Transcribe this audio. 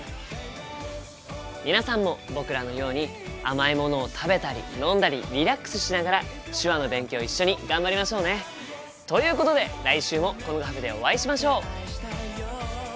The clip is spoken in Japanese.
皆さんも僕らのように甘いものを食べたり飲んだりリラックスしながら手話の勉強一緒に頑張りましょうね！ということで来週もこのカフェでお会いしましょう！